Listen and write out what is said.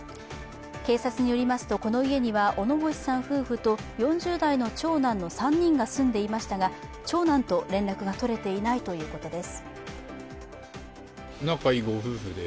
警察によりますと、この家には小野星さん夫婦と４０代の長男の３人が住んでいましたが、長男と連絡が取れていないということです。